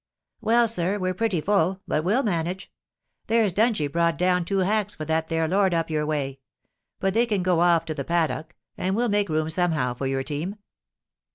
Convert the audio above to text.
'Well, sir, we're pretty full, but we'll manage. There's Dungie brought down two hacks for that there lord up your way ; but they can go off to the paddock, and we'll make room somehow for your team.'